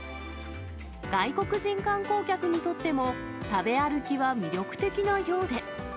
外国人観光客にとっても食べ歩きは魅力的なようで。